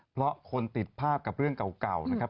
เพราะคนติดภาพกับเรื่องเก่านะครับ